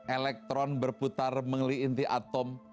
elektron berputar mengeli inti atom